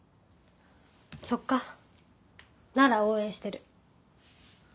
そっかなら応援してる。